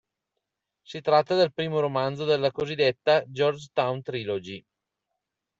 Si tratta del primo romanzo della cosiddetta "Georgetown Trilogy".